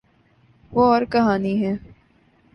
وہ اورکہانی ہے۔